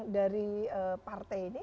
dari partai ini